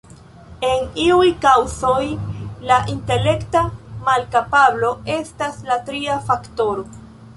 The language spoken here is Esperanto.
En iuj kaŭzoj la intelekta malkapablo estas la tria faktoro.